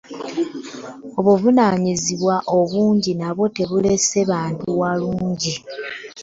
obuvunaanyizibwa obungi nabwo tebulese bantu walungi.